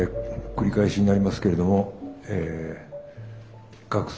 繰り返しになりますけれども学生の安全